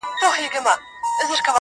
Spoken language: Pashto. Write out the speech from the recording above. کافر دروغ پاخه رشتیا مات کړي-